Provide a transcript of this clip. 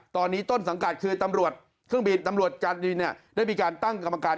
ตอนนี้ต้นสังกัดคือตำรวจการบินได้มีการตั้งกรรมการ